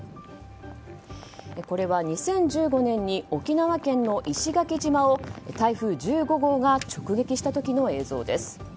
これは２０１５年に沖縄県の石垣島を台風１５号が直撃した時の映像です。